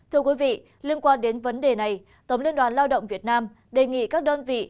thưa quý vị liên quan đến vấn đề này tổng liên đoàn lao động việt nam đề nghị các đơn vị